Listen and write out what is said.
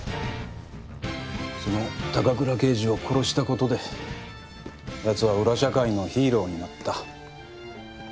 その高倉刑事を殺したことでやつは裏社会のヒーローになった。